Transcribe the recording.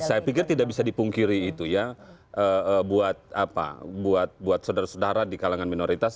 saya pikir tidak bisa dipungkiri itu ya buat apa buat seder sedara di kalangan minoritas